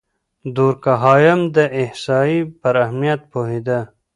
دورکهايم د احصائيې پر اهميت پوهېده.